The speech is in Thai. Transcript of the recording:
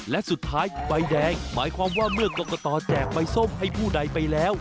และสุดท้ายใบแดงหมายความว่าเมื่อกรกตแจกใบส้มให้ผู้ใดไปแล้ว